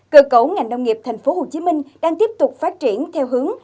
cơ cấu ngành nông nghiệp tp hcm đang tiếp tục phát triển theo hướng